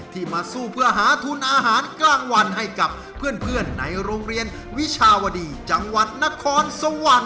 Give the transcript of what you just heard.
มาสู้เพื่อหาทุนอาหารกลางวันให้กับเพื่อนในโรงเรียนวิชาวดีจังหวัดนครสวรรค์